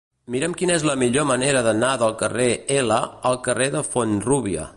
Mira'm quina és la millor manera d'anar del carrer L al carrer de Font-rúbia.